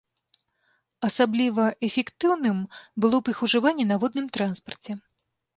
Асабліва эфектыўным было б іх ужыванне на водным транспарце.